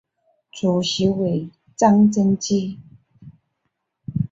主席为张曾基。